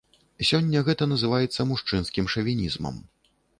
Сёння гэта называецца мужчынскім шавінізмам.